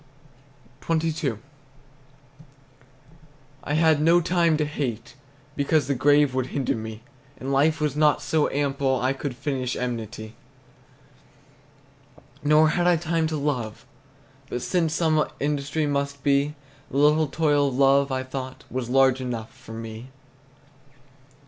XXII. I had no time to hate, because The grave would hinder me, And life was not so ample I Could finish enmity. Nor had I time to love; but since Some industry must be, The little toil of love, I thought, Was large enough for me.